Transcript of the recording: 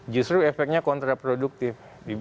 justru efeknya kontraproduktif